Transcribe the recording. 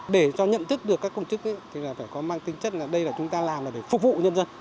để cho nhận thức được các công chức thì là phải có mang tính chất là đây là chúng ta làm là để phục vụ nhân dân